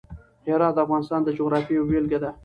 هرات د افغانستان د جغرافیې یوه بېلګه ده.